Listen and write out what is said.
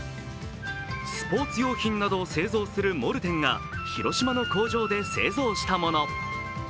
スポーツ用品などを製造するモルテンが広島の工場で製造したもの。